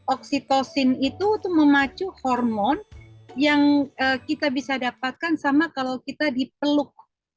oksitosin itu memacu hormon yang kita bisa dapatkan sama kalau kita dipeluk